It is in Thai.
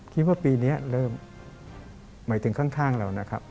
คิดว่าปีนี้เริ่มหมายถึงข้างเรานะครับ